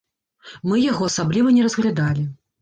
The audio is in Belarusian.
Мы яго асабліва не разглядалі.